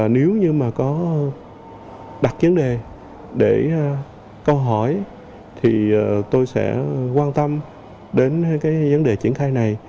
nếu như mà có đặt vấn đề để câu hỏi thì tôi sẽ quan tâm đến cái vấn đề triển khai này